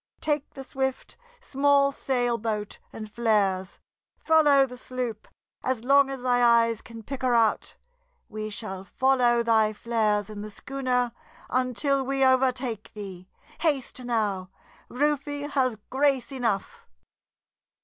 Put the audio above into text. Take the swift, small sailboat, and flares; follow the sloop as long as thy eyes can pick her out; we shall follow thy flares in the schooner until we overtake thee. Haste now; Rufe has grace enough!"